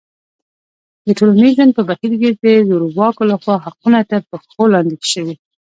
د ټولنیز ژوند په بهیر کې د زورواکو لخوا حقونه تر پښو لاندې شوي.